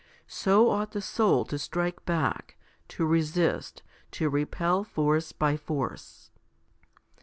So ought the soul to strike back, to resist, to repel force by force.